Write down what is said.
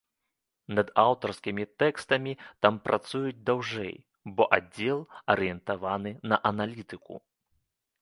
Над аўтарскімі тэкстамі там працуюць даўжэй, бо аддзел арыентаваны на аналітыку.